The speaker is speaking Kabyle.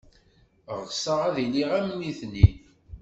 Ɣseɣ ad iliɣ am nitni.